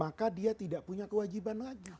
maka dia tidak punya kewajiban lagi